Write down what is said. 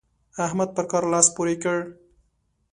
احمد پر کار لاس پورې کړ.